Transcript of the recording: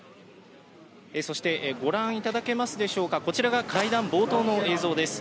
そして、ご覧いただけますでしょうか、こちらが会談冒頭の映像です。